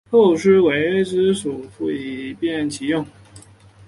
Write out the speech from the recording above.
后世为之机抒胜复以便其用。